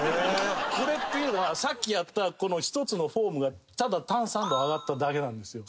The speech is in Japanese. これっていうのはさっきやったこの１つのフォームがただ短３度上がっただけなんですよ。